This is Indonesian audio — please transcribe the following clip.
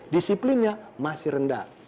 disiplinnya masih rendah